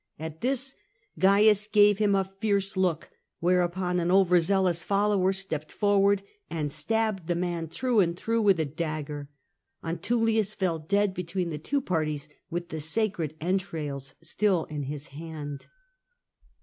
At this Oaius gave him a fierce look, whereupon an over zealous follower stepped forward and stabbed the man through and through with a dagger. Antullius fell dead between the two parties, with the sacred entrails still in his hand.